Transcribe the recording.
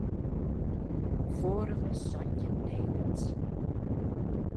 Foarige santjin tekens.